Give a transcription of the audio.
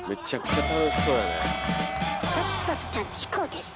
「ちょっとした事故です」？